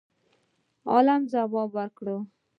عالم جواب ورکړ